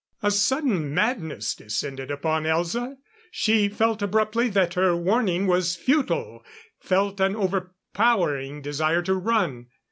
"_ A sudden madness descended upon Elza. She felt abruptly that her warning was futile, felt an overpowering desire to run.